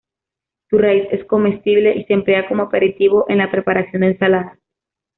Su raíz es comestible y se emplea como aperitivo en la preparación de ensaladas.